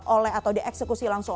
oleh atau dieksekusi langsung